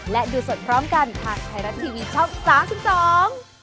และดูสดพร้อมกันทางไทยรัฐทีวีช่อง๓๒